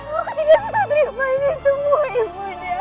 mereka tidak menerima ini semua ibu nek